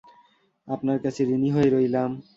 আপনার কাছে ঋনী হয়ে রইলাম।